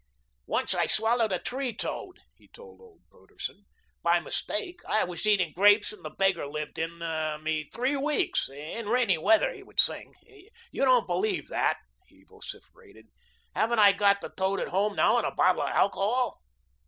"Once I swallowed a tree toad." he told old Broderson, "by mistake. I was eating grapes, and the beggar lived in me three weeks. In rainy weather he would sing. You don't believe that," he vociferated. "Haven't I got the toad at home now in a bottle of alcohol."